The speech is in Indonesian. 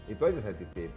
itu aja saya titip